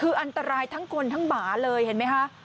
คืออันตรายทางคนทางบาลเลยเห็นไหมฮะ